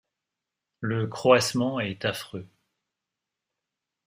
Le croassement est affreux.